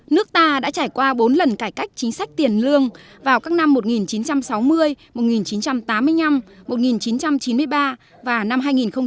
nước ta đã trải qua bốn lần cải cách chính sách tiền lương vào các năm một nghìn chín trăm sáu mươi một nghìn chín trăm tám mươi năm một nghìn chín trăm chín mươi ba và năm hai nghìn một mươi